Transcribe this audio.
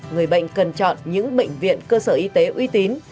người bệnh cần chọn những bệnh viện cơ sở y tế uy tín